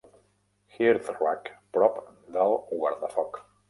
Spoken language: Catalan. Hearthrug, prop del guardafoc.